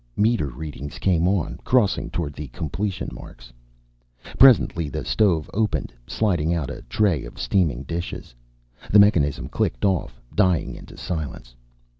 Meter readings came on, crossing toward the completion marks. Presently the stove opened, sliding out a tray of steaming dishes. The mechanism clicked off, dying into silence.